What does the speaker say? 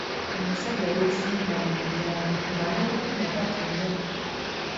Omusajja yeesimba mu mulyango nga n’okutemya tatemya.